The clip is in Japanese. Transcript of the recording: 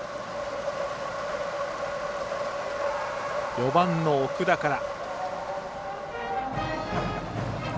４番の奥田から。